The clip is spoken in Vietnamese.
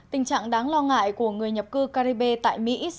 tình trạng đáng lo ngại của người nhập cư caribe tại mỹ